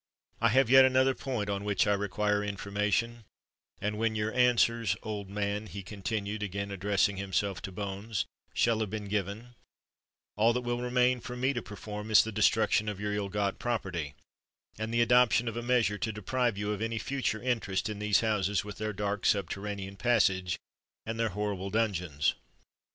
I have yet another point on which I require information: and when your answers, old man," he continued, again addressing himself to Bones, "shall have been given, all that will remain for me to perform is the destruction of your ill got property, and the adoption of a measure to deprive you of any future interest in these houses with their dark subterranean passage and their horrible dungeons.